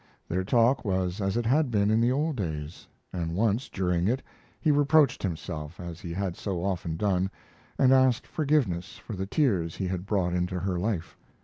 Their talk was as it had been in the old days, and once during it he reproached himself, as he had so often done, and asked forgiveness for the tears he had brought into her life.